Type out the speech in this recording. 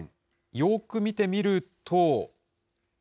よーく見てみると。